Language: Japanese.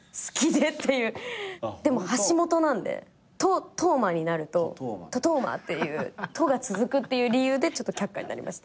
でも橋本なんで「とうま」になると「ととうま」っていう「と」が続くっていう理由で却下になりました。